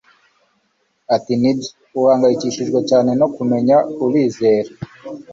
Ati Nibyo uhangayikishijwe cyane no kumenya Urizera